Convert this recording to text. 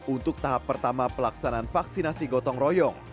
untuk tahap pertama pelaksanaan vaksinasi gotong royong